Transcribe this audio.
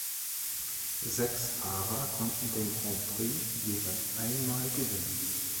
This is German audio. Sechs Fahrer konnten den Grand Prix jeweils ein Mal gewinnen.